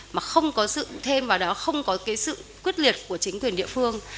mà không có sự thêm vào đó không có cái sự quyết liệt của chính quyền địa phương